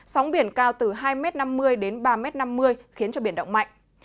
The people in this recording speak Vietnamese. sóng biển cao từ hai năm mươi m đến ba năm mươi m khiến cho biển động mạnh